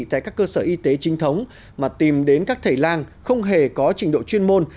tại các cơ sở y tế trinh thống mà tìm đến các thầy lang không hề có trình độ chuyên môn